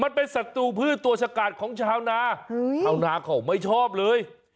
มันเป็นสัตว์ตัวชะการของชาวนาเฮ้ยชาวนาเขาไม่ชอบเลย